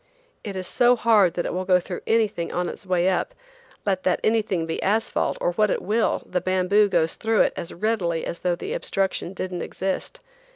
It is so hard that it will go through anything on its way up; let that anything be asphalt or what it will, the bamboo goes through it as readily as though the obstruction didn't exist.